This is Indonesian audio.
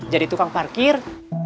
jadi tukang parkir